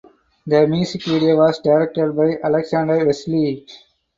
The music video was directed by Alexander Wessely.